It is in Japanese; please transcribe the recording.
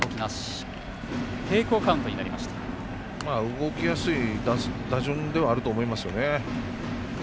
動きやすい打順ではあると思いますよね。